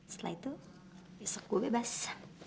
setelah itu besok gue bebas